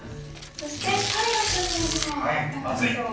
そして大河君のものはいかがでしょう？